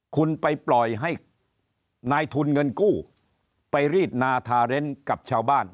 คุณไปปล่อยให้นายทุนเงินกู้ไปรีดนาทาเรนกับชาวบ้าน